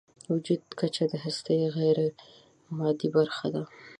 وجودي کچه د هستۍ غیرمادي برخه ده.